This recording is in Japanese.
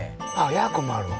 ヤーコンもあるわ